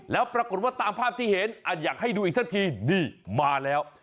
แล้วปรากฏว่าตามภาพที่เห็นอยากให้ดูอีกสักทีนี่มาแล้ว